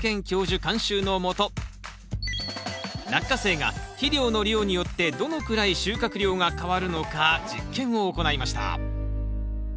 監修のもとラッカセイが肥料の量によってどのくらい収穫量が変わるのか実験を行いました。